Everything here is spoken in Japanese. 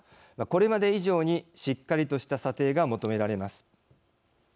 これまで以上にしっかりとした査定が求められます。